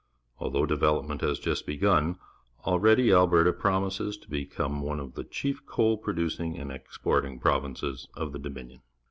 Although development has just begun, already .\lberta promises to become one of the chief coal producing and exporting pro\'inces of the Dominion.